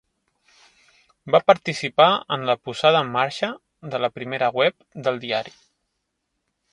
Va participar en la posada en marxa de la primera web del diari.